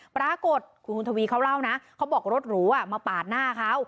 ปรากฏคุณทวีเขาเล่านะเขาบอกรถหรูมาปาดหน้าเขา